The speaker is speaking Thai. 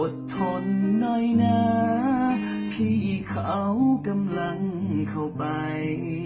ทนหน่อยนะพี่เขากำลังเข้าไป